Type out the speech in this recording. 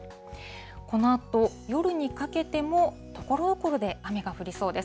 このあと、夜にかけても、ところどころで雨が降りそうです。